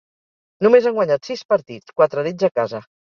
Només han guanyat sis partits, quatre d'ells a casa.